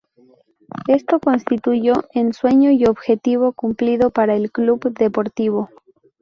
Esto constituyó un sueño y objetivo cumplido para el club deportivo.